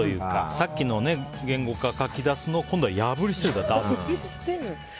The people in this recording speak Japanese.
さっきの言語化書き出すのを今度は破り捨てるんだ。